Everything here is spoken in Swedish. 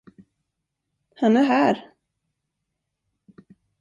Han är här!